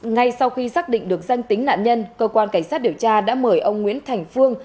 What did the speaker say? ngay sau khi xác định được danh tính nạn nhân cơ quan cảnh sát điều tra đã mời ông nguyễn thành phương